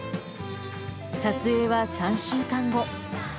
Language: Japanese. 撮影は３週間後。